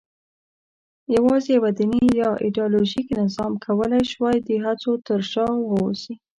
یواځې یوه دیني یا ایدیالوژیک نظام کولای شوای د هڅو تر شا واوسي.